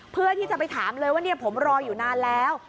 เพื่อที่จะไปถามเลยว่าผมรออยู่นานแล้ว